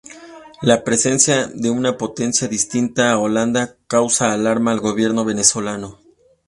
La presencia de una potencia distinta a Holanda causa alarma al gobierno venezolano.